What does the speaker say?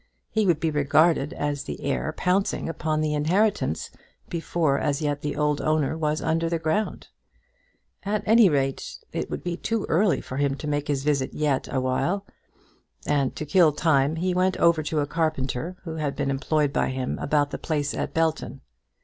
He would be regarded as the heir pouncing upon the inheritance before as yet the old owner was under the ground. At any rate it would be too early for him to make his visit yet awhile; and, to kill time, he went over to a carpenter who had been employed by him about the place at Belton.